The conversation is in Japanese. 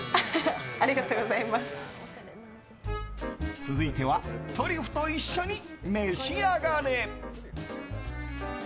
続いてはトリュフと一緒に召し上がれ。